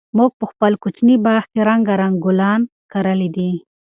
موږ په خپل کوچني باغ کې رنګارنګ ګلان کرلي دي.